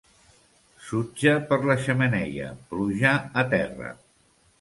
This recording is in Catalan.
Sutge per la xemeneia, pluja a terra.